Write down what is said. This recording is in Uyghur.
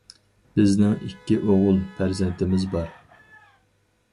بىزنىڭ ئىككى ئوغۇل پەرزەنتىمىز بار.